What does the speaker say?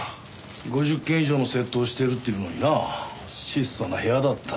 ５０件以上の窃盗をしてるっていうのにな質素な部屋だった。